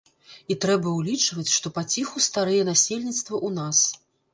І трэба ўлічваць, што паціху старэе насельніцтва ў нас.